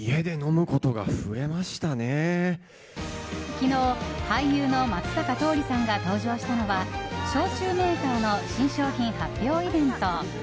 昨日、俳優の松坂桃李さんが登場したのは焼酎メーカーの新商品発表イベント。